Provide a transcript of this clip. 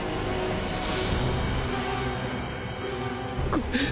ごめん。